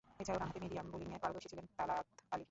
এছাড়াও, ডানহাতে মিডিয়াম বোলিংয়ে পারদর্শী ছিলেন তালাত আলী।